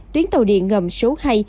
tuyến tàu điện ngầm số hai